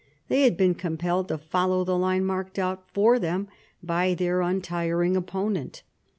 They had been compelled to follow the line marked out for them by their untiring op ponent.